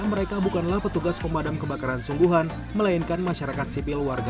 mereka bukanlah petugas pemadam kebakaran sungguhan melainkan masyarakat sipil warga